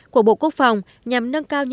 của bộ quốc phòng nhằm nâng cao nhận